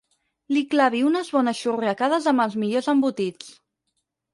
Li clavi unes bones xurriacades amb els millors embotits.